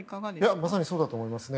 まさにそうだと思いますね。